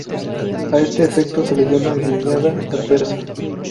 A este efecto se le llama guiñada adversa.